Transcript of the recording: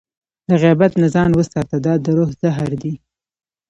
له غیبت نه ځان وساته، دا د روح زهر دی.